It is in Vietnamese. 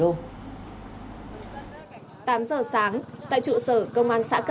tám giờ sáng tại trụ sở công an xã công an